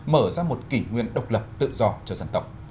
mở ra một kỷ nguyên độc lập tự do cho dân tộc